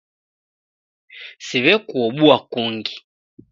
Siw'ekuobua kungi.